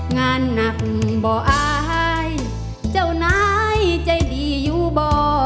งานหนักบ่ออายเจ้านายใจดีอยู่บ่อ